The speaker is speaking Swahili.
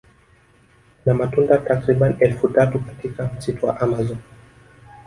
Kuna matunda takribani elfu tatu katika msitu wa amazon